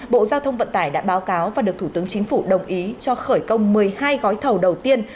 bộ giao thông vận tải đã báo cáo và được thủ tướng chính phủ đồng ý cho khởi công một mươi hai gói thầu đầu tiên